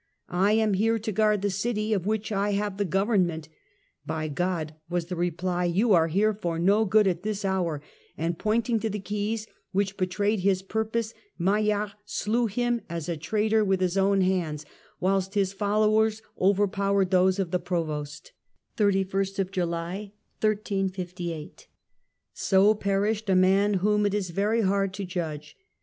"I am here to guard the city of which I have the government." " By Murder of God," was the reply, "you are here for no good at this 3i'^[^j^;i„ hour "; and pointing to the keys which betrayed his ^'^'''^ purpose, Maillart slew him as a traitor with his own hands, whilst his followers overpowered those of the Provost. So perished a man whom it is very hard to judge.